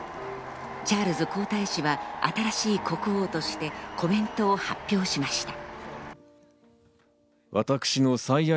チャールズ皇太子は新しい国王としてコメントを発表しました。